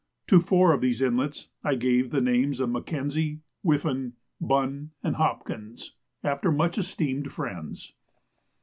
To four of these inlets I gave the names of M'Kenzie, Whiffen, Bunn, and Hopkins, after much esteemed friends.